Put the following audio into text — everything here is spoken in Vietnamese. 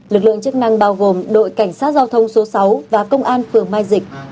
lực lượng chức năng bao gồm đội cảnh sát giao thông số sáu và công an phường mai dịch